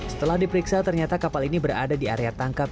setelah diperiksa ternyata kapal ini berada di area tangkap